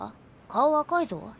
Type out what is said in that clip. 顔赤いぞ。